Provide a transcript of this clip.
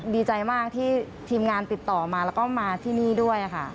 ดีใจมากที่ทีมงานติดต่อมาแล้วก็มาที่นี่ด้วยค่ะ